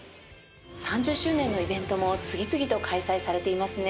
３０周年のイベントも次々と開催されていますね。